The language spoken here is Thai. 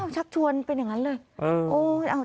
ชักชวนเป็นอย่างนั้นเลย